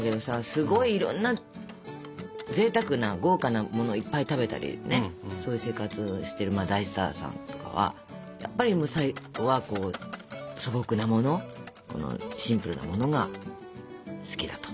すごいいろんなぜいたくな豪華なものいっぱい食べたりそういう生活をしてる大スターさんとかはやっぱり最後は素朴なものシンプルなものが好きだと。